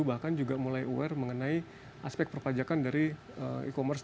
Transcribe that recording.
bahkan juga mulai aware mengenai aspek perpajakan dari e commerce